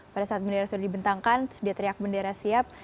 pada saat bendera sudah dibentangkan dia teriak bendera siap